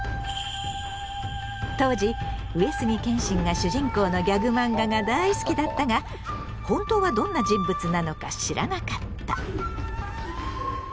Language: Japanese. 当時上杉謙信が主人公のギャグマンガが大好きだったが本当はどんな人物なのか知らなかった。